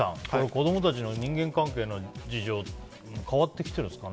子供たちの人間関係の事情も変わってきてるんですか？